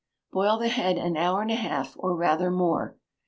Boil the head an hour and a half, or rather more.